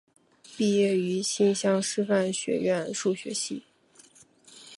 毕业于新乡师范学院数学系。